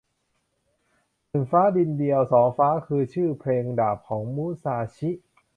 หนึ่งฟ้าดินเดียว สองฟ้าคือชื่อเพลงดาบของมุซาชิ